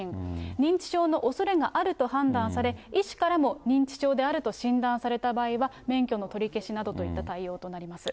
認知症のおそれがあると判断され、医師からも認知症であると診断された場合は、免許の取り消しなどといった対応となります。